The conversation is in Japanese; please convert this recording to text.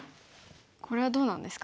これはどうなんですか。